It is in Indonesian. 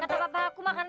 kata papa aku makan